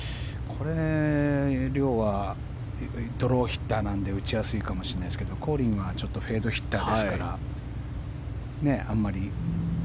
遼はドローヒッターなので打ちやすいかもしれないですがコリンはちょっとフェードヒッターですからあんまり。